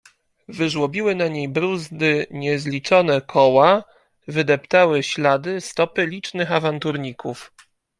"Wyżłobiły na niej bruzdy niezliczone koła, wydeptały ślady stopy licznych awanturników."